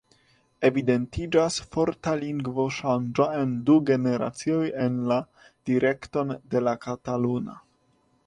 Evidentiĝas forta lingvoŝanĝo en du generacioj en la direkton de la kataluna.